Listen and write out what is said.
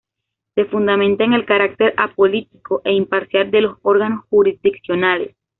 Se fundamenta en el carácter apolítico e imparcial de los órganos jurisdiccionales.